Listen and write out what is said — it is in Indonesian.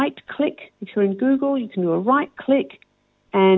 jika anda di google anda bisa menekan kanan